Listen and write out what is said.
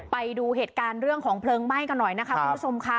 ไปดูเหตุการณ์เรื่องของเพลิงไหม้กันหน่อยนะคะคุณผู้ชมค่ะ